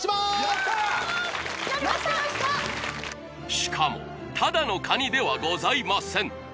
しかもただのカニではございません